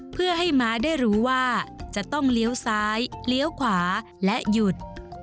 เพื่อให้ม้าได้รู้ว่าจะต้องเลี้ยวซ้ายเลี้ยวขวาและหยุด